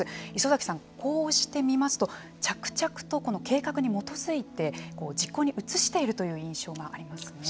礒崎さん、こうして見ますと着々と計画に基づいて実行に移しているという印象がありますね。